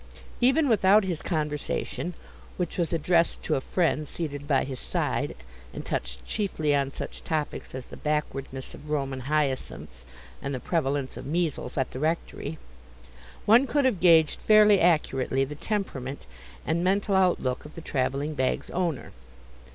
Even without his conversation (which was addressed to a friend seated by his side, and touched chiefly on such topics as the backwardness of Roman hyacinths and the prevalence of measles at the Rectory), one could have gauged fairly accurately the temperament and mental outlook of the travelling bag's owner.